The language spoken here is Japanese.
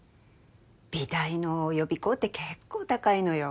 美大の予備校って結構高いのよ。